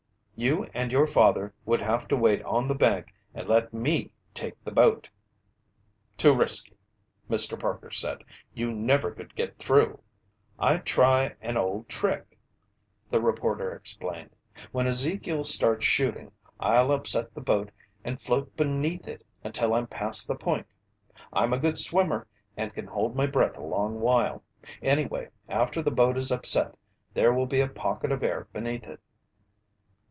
"You and your father would have to wait on the bank and let me take the boat." "Too risky," Mr. Parker said. "You never could get through." "I'd try an old trick," the reporter explained. "When Ezekiel starts shooting, I'll upset the boat and float beneath it until I'm past the point. I'm a good swimmer and can hold my breath a long while. Anyway, after the boat is upset, there will be a pocket of air beneath it."